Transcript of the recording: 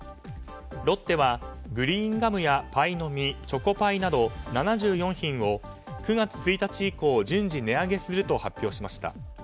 ロッテはグリーンガムやパイの実チョコパイなど、７４品を９月１日以降順次値上げすると発表しました。